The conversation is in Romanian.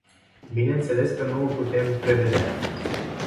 Bineînțeles că nu o putem prevedea.